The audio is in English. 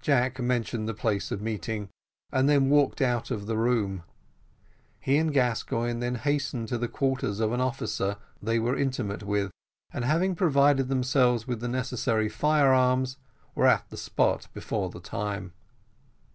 Jack mentioned the place of meeting, and then walked out of the room. He and Gascoigne then hastened to the quarters of an officer they were intimate with, and having provided themselves with the necessary fire arms, were at the spot before the time.